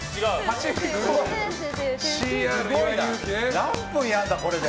何分やるんだ、これで。